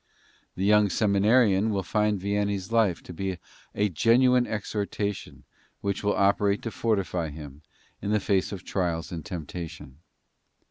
The young seminarian will find Vianney's life to be a genuine exhortation which will operate to fortify him in the face of trials and temptation.